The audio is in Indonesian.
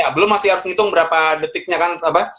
belum masih harus ngitung berapa detiknya kan